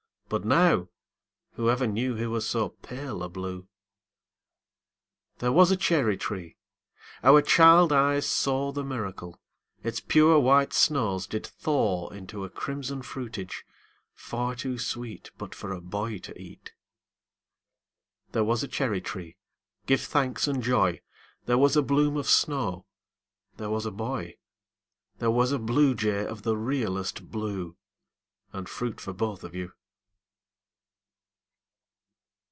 But now Whoever knew He was so pale a blue! There was a cherry tree our child eyes saw The miracle: Its pure white snows did thaw Into a crimson fruitage, far too sweet But for a boy to eat. There was a cherry tree, give thanks and joy! There was a bloom of snow There was a boy There was a bluejay of the realest blue And fruit for both of you.